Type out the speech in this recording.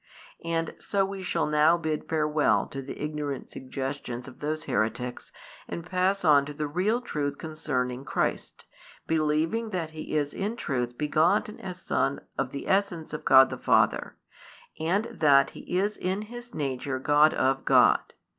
And so we shall now bid farewell to the ignorant suggestions of those heretics and pass on to the real truth concerning Christ, believing that He is in truth begotten as Son of the essence of God the Father, and that He is in His nature God of God.